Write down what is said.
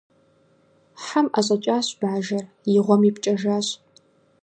Хьэм ӏэщӏэкӏащ бажэр, и гъуэм ипкӏэжащ.